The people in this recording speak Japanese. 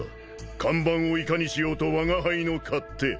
看板をいかにしようとわが輩の勝手。